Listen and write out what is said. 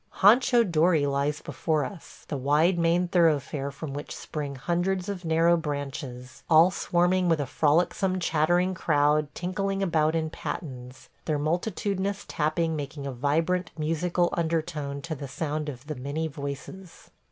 Hancho dori lies before us, the wide main thoroughfare from which spring hundreds of narrow branches, all swarming with a frolicsome, chattering crowd tinkling about in pattens, their multitudinous tapping making a vibrant musical undertone to the sound of the many voices.